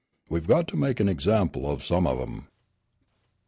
We've got to make an example of some of 'em."